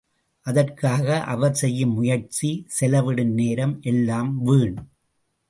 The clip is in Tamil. அதற்காக அவர் செய்யும் முயற்சி, செலவிடும் நேரம் எல்லாம் வீண்.